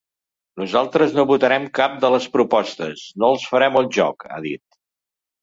Nosaltres no votarem cap de les propostes, no els farem el joc, ha dit.